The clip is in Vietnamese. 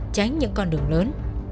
tránh những con đường lớn